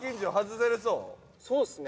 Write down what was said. そうっすね。